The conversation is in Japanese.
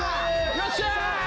よっしゃ！